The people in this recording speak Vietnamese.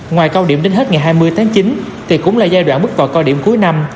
ngoài cao điểm đến hết ngày hai mươi tháng chín thì cũng là giai đoạn bước vào cao điểm cuối năm